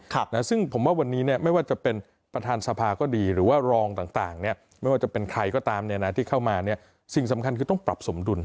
ครับนะซึ่งผมว่าวันนี้เนี่ยไม่ว่าจะเป็นประธานสภาก็ดีหรือว่ารองต่างต่างเนี้ยไม่ว่าจะเป็นใครก็ตามเนี่ยนะที่เข้ามาเนี่ยสิ่งสำคัญคือต้องปรับสมดุล